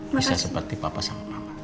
bisa seperti papa sama mama